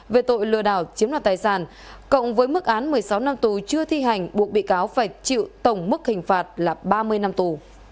về tội lừa đảo chiếm đoạt tài sản cộng với mức án một mươi sáu năm tù chưa thi hành buộc bị cáo phải chịu tổng mức hình phạt là ba mươi năm tù